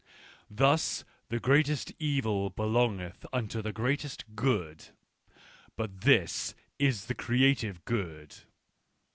"Thus the greatest evil belongeth unto the greatest good : but this is the creative good."